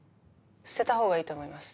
捨てたほうがいいと思います。